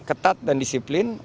yang ketat dan disiplin